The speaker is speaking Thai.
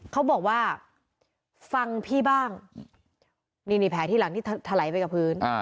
เขาบอกว่าฟังพี่บ้างนี่นี่แผลที่หลังที่ถลายไปกับพื้น